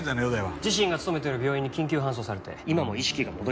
自身が勤めている病院に緊急搬送されて今も意識が戻りません。